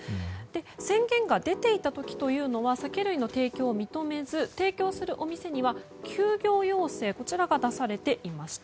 宣言が出ていた時というのは酒類の提供を認めず提供するお店には休業要請こちらが出されていました。